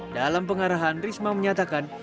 dalam pengarahan risma menyatakan